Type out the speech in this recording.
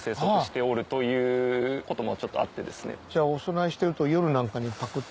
じゃあお供えしてると夜なんかにパクって。